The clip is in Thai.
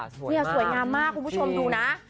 นี่สวยงามมากคุณผู้ชมดูนะ